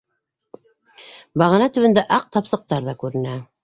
Бағана төбөндә аҡ тапсыҡтар ҙа күренә.